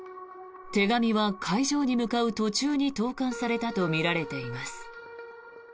手紙は会場に向かう途中に投函されたとみられています。